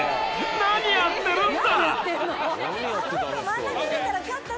何やってるんだ！？